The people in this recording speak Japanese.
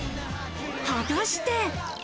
果たして。